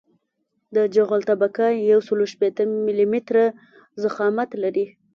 د جغل طبقه یوسل شپیته ملي متره ضخامت لري